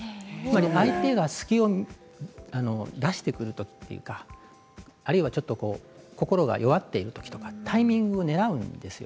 相手が隙を出してくるときというかあるいはちょっと心が弱っているときとかタイミングをねらうんですよ。